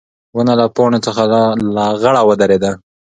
ونه له پاڼو څخه لغړه ودرېده.